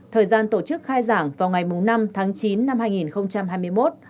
thời gian tổ chức khai giảng vào ngày năm tháng chín năm hai nghìn hai mươi một